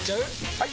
・はい！